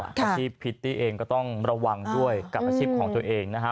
อาชีพพิตตี้เองก็ต้องระวังด้วยกับอาชีพของตัวเองนะฮะ